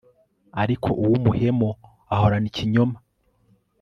ariko uw'umuhemu ahorana ikinyoma